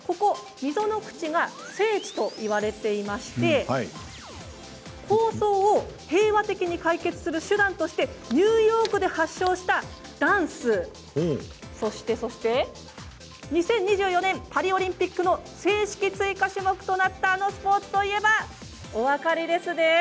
溝の口が聖地といわれていまして抗争を平和的に解決する手段としてニューヨークで発祥したダンス部そしてそして２０２４年パリオリンピックの正式追加種目となったあのスポーツといえばお分かりですね。